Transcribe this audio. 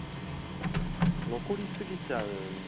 残り過ぎちゃうんで。